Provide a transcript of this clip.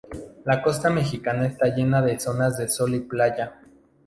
La costa mexicana está llena de zonas de sol y playa.